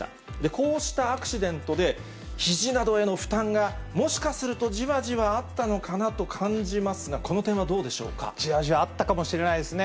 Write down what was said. こうしたアクシデントで、ひじなどへの負担が、もしかするとじわじわあったのかなと感じますが、この点はどうでじわじわあったかもしれないですね。